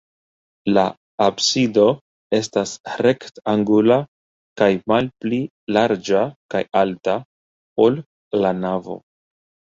La absido estas rektangula kaj malpli larĝa kaj alta, ol la navo.